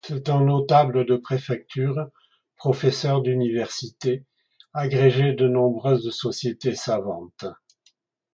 C'est un notable de préfecture, professeur d'université, agrégé de nombreuses sociétés savantes.